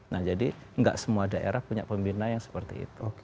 nah jadi nggak semua daerah punya pembina yang seperti itu